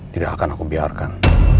tidak akan aku biarkan